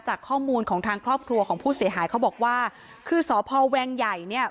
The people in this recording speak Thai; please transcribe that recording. จากข้อมูลของทางครอบครัวของผู้เสียหายเขาบอกว่าคือสพแวงใหญ่เนี่ย